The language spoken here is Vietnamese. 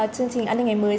chương trình an ninh ngày mới